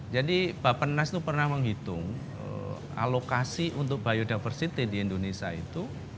jadi pak pernas itu pernah menghitung alokasi untuk biodiversity di indonesia itu